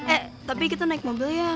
eh tapi kita naik mobil ya